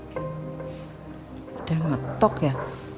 udah ngetok ya